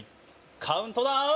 カウントダウン。